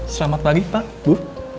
selamat pagi pak bu